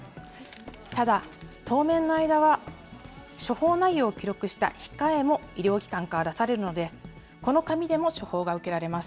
ただ、当面の間は処方内容を記録した控えも医療機関から出されるので、この紙でも処方が受けられます。